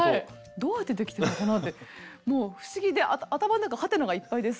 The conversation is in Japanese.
どうやってできてるのかなってもう不思議で頭の中ハテナがいっぱいです。